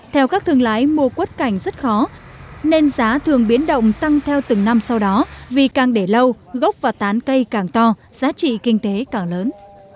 theo các thương lái mua quất cảnh rất khó nên giá thường biến động tăng theo từng năm sau đó vì càng để lâu gốc và tán cây càng to giá trị kinh tế càng lớn